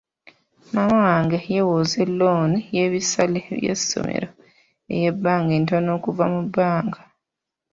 Maama wange yeewoze looni y'ebisale by'essomero ey'ebbanga ettono okuva mu banka.